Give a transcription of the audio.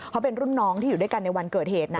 เขาเป็นรุ่นน้องที่อยู่ด้วยกันในวันเกิดเหตุนะ